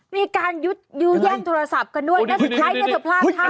มีการยุดยุแย่งโทรศัพท์กันด้วยนักกีฬาที่ไทยก็จะพลาดท้าวน